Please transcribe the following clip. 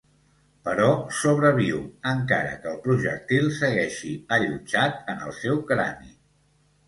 Però sobreviu, encara que el projectil segueixi allotjat en el seu crani.